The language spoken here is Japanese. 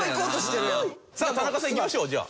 さあ田中さんいきましょうじゃあ。